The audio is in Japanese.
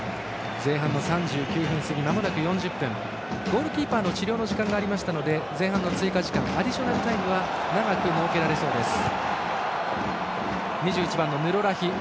ゴールキーパーの治療の時間がありましたので前半の追加時間アディショナルタイムは長く設けられそうです。